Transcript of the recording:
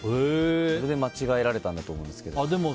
それで間違えられたんだと思います。